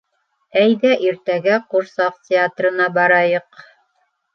Әйҙә иртәгә ҡурсаҡ театрына барайыҡ